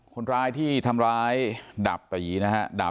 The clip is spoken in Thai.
คนร้ายที่ทำร้ายดาบตีนะฮะ